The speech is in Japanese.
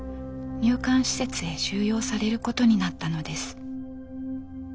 入管施設へ収容されることになったのです。